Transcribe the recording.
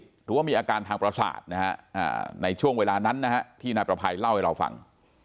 ถูกว่ามีอาการทางประศาจในช่วงเวลานั้นนะครับที่นาประไพรเล่าให้เราฟัง